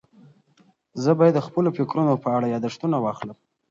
زه باید د خپلو فکرونو په اړه یاداښتونه واخلم.